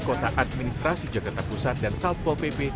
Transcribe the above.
kota administrasi jakarta pusat dan satpol pp